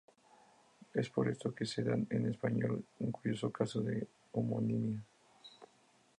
Es por esto que se da en español un curioso caso de homonimia.